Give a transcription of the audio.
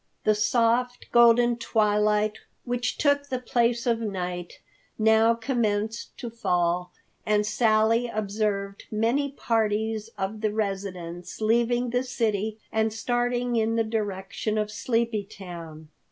The soft, golden twilight which took the place of night, now commenced to fall, and Sally observed many parties of the residents leaving the city and starting in the direction of Sleepy Town.